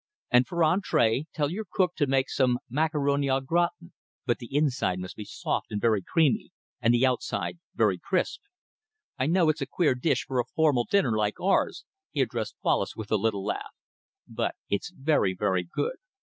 And for entree tell your cook to make some macaroni au gratin, but the inside must be soft and very creamy, and the outside very crisp. I know it's a queer dish for a formal dinner like ours," he addressed Wallace with a little laugh, "but it's very, very good.